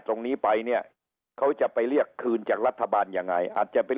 ตรงนี้ไปเนี่ยเขาจะไปเรียกคืนจากรัฐบาลยังไงอาจจะเป็น